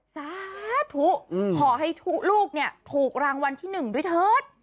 สาธุขอให้ลูกเนี่ยถูกรางวัลที่๑ด้วยเถิด